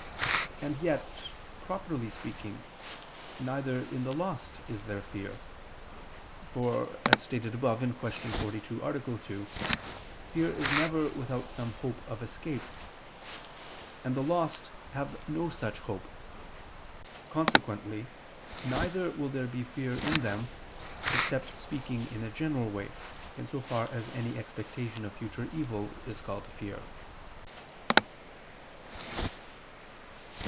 And yet, properly speaking, neither in the lost is there fear. For, as stated above (Q. 42, A. 2), fear is never without some hope of escape: and the lost have no such hope. Consequently neither will there be fear in them; except speaking in a general way, in so far as any expectation of future evil is called fear.